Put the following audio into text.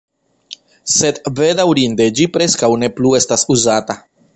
Sed bedaŭrinde, ĝi preskaŭ ne plu estas uzata.